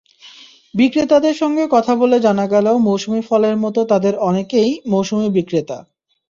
বিক্রেতাদের সঙ্গে কথা বলে জানা গেল, মৌসুমি ফলের মতো তাঁদের অনেকেই মৌসুমি বিক্রেতা।